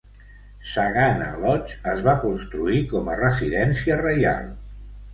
Sagana Lodge es va construir com a residència reial.